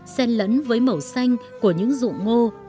xen lẫn với màu xanh của những rụng ngô